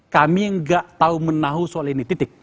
kami nggak tahu menahu soal ini titik